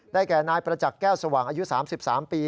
แก่นายประจักษ์แก้วสว่างอายุ๓๓ปี